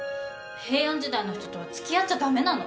平安時代の人とはつきあっちゃダメなの？